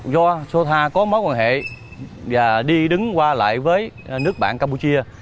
do sô tha có mối quan hệ và đi đứng qua lại với nước bạn campuchia